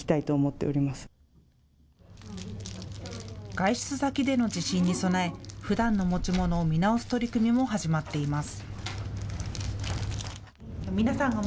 外出先での地震に備え、ふだんの持ち物を見直す取り組みも始まっています。